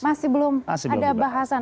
masih belum ada bahasan